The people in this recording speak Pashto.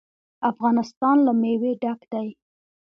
افغانستان له مېوې ډک دی.